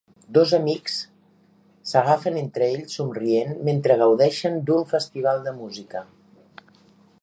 Dos amics s"agafen entre ells somrient mentre gaudeixen d"un festival de música.